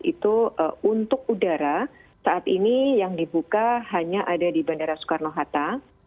itu untuk udara saat ini yang dibuka hanya ada di bandara soekarno hatta